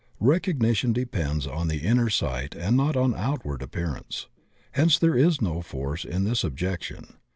Recognition depends on the inner sight and not on outward appearance; hence there is no force in this objection.